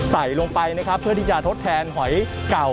ใส่ลงไปนะครับเพื่อที่จะทดแทนหอยเก่า